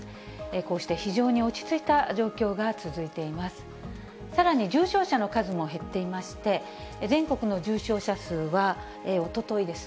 こうして非常に落ち着いた状況が続いています。